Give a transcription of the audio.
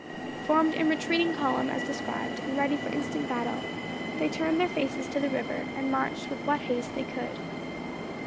Formed in retreating column as described, and ready for instant battle, they turned their faces to the river, and marched with what haste they could.